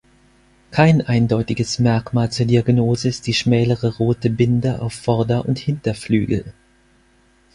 Kein eindeutiges Merkmal zur Diagnose ist die schmälere rote Binde auf Vorder- und Hinterflügel.